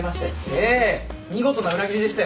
ええ見事な裏切りでしたよ。